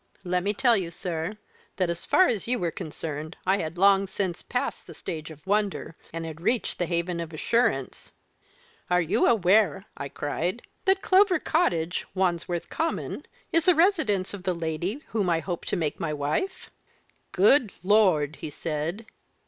Let me tell you, sir, that as far as you were concerned, I had long since passed the stage of wonder, and had reached the haven of assurance. 'Are you aware?' I cried, 'that Clover Cottage, Wandsworth Common, is the residence of the lady whom I hope to make my wife?' 'Good Lord!' he said.